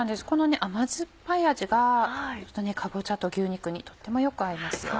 甘酸っぱい味がかぼちゃと牛肉にとってもよく合いますよ。